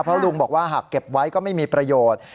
เพราะลุงบอกว่าหากเก็บไว้ก็ไม่มีประโยชน์